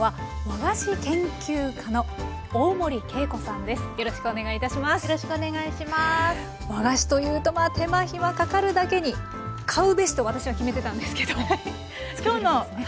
和菓子というとまあ手間暇かかるだけに買うべしと私は決めてたんですけど作れるんですね。